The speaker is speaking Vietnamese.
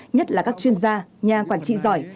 nhất là các chuyên gia nhà quản trị giỏi